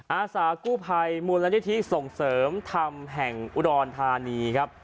อาสากู้ภัยมูลนิธิส่งเสริมธรรมแห่งอุดรธานีครับ